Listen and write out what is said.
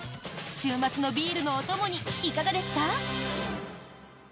週末のビールのお供にいかがですか？